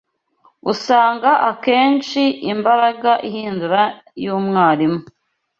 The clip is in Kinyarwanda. usanga akenshi imbaraga ihindura y’umwarimu